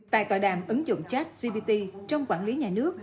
tại tòa đàm ứng dụng trách gbt trong quản lý nhà nước